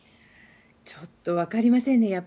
ちょっとわかりませんね